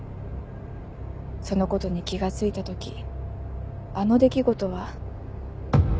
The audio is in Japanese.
そのことに気が付いた時あの出来事は。